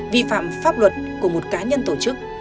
vi phạm pháp luật của một cá nhân tổ chức